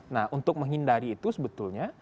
nah untuk menghindari itu sebetulnya